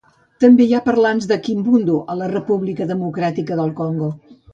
També hi ha parlants de kimbundu a la República Democràtica del Congo.